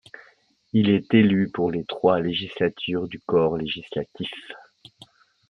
Il est élu pour les trois législatures du Corps législatif.